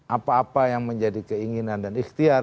apa apa yang menjadi keinginan dan ikhtiar